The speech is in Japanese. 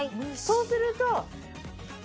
そうすると。